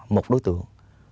một đối tượng